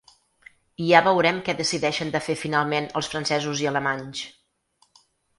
I ja veurem què decideixen de fer finalment els francesos i alemanys.